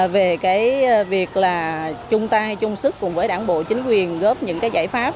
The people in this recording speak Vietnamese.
về cái việc là chung tay chung sức cùng với đảng bộ chính quyền góp những cái giải pháp